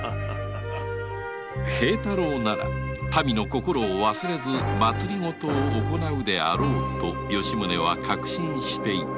平太郎なら民の心を忘れず政を行うであろうと吉宗は確信していた